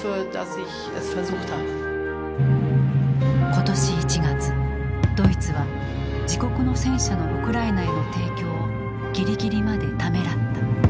今年１月ドイツは自国の戦車のウクライナへの提供をぎりぎりまでためらった。